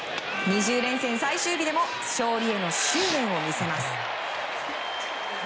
２０連戦最終日でも勝利への執念を見せます。